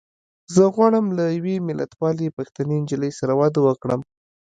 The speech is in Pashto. زه غواړم له يوې ملتپالې پښتنې نجيلۍ سره واده کوم.